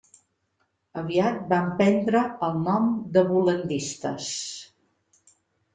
Aviat van prendre el nom de bol·landistes.